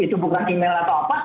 itu bukan email atau apa